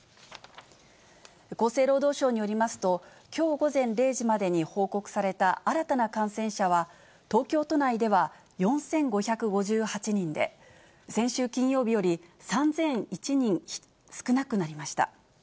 厚生労働省によりますと、きょう午前０時までに報告された新たな感染者は、東京都内では４５５８人で、先週金曜日より３００１人少なくなりました。